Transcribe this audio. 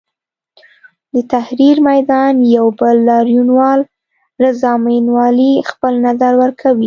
د تحریر میدان یو بل لاریونوال رضا متوالي خپل نظر ورکوي.